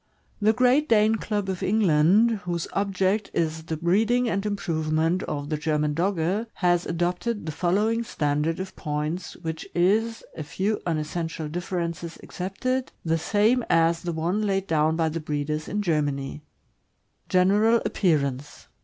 The Great Dane Club of England, whose object is the breeding and improvement of the German Dogge, has adopted the following standard of points, which is, a few unessential differences excepted, the same as the one laid down by the breeders in Germany: General appearance.